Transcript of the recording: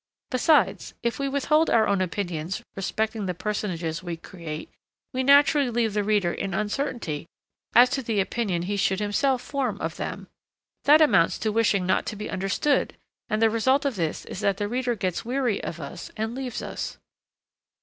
Besides, if we withhold our own opinions respecting the personages we create, we naturally leave the reader in uncertainty as to the opinion he should himself form of them. That amounts to wishing not to be understood, and the result of this is that the reader gets weary of us and leaves us.'